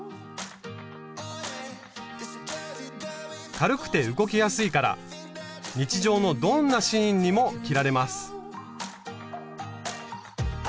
軽くて動きやすいから日常のどんなシーンにも着られます。